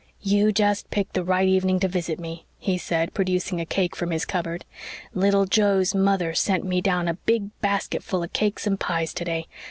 "You just picked the right evening to visit me," he said, producing a cake from his cupboard. "Leetle Joe's mother sent me down a big basket full of cakes and pies today.